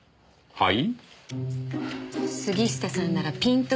はい。